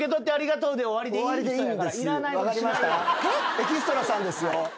エキストラさんですよ。